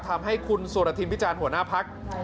ทำให้คุณสุรทินพิจารณ์หัวหน้าพัก